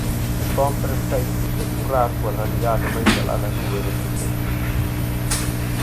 Cómpren feitos e turrar coa realidade mais alá da nube dos desexos.